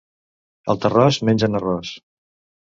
Al Tarròs mengen arròs.